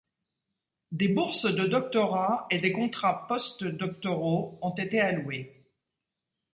Des bourses de doctorat et des contrats post doctoraux ont été alloués.